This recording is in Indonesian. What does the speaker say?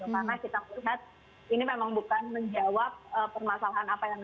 karena kita melihat ini memang bukan menjawab permasalahan apa yang